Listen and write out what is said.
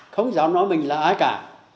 không dám nói mình là ai cả